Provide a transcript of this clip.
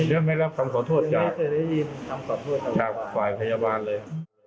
ยังไม่รับคำขอโทษจากฝ่ายพยาบาลเลย